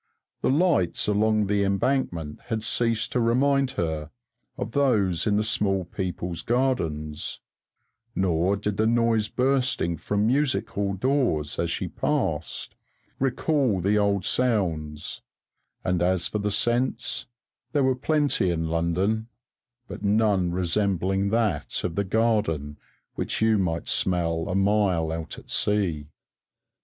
The lights along the Embankment had ceased to remind her of those in the Small People's Gardens; nor did the noise bursting from music hall doors as she passed, recall the old sounds; and as for the scents, there were plenty in London, but none resembling that of the garden which you might smell a mile out at sea.